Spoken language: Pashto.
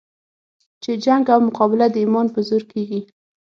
چې جنګ او مقابله د ایمان په زور کېږي.